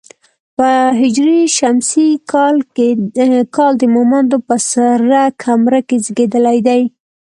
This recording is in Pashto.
په هـ ش کال د مومندو په سره کمره کې زېږېدلی دی.